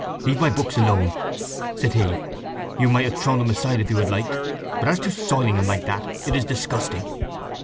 "Leave my books alone!" he said. "You might have thrown them aside if you had liked, but as to soiling them like that, it is disgusting!"